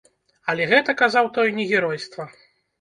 Але гэта, казаў той, не геройства.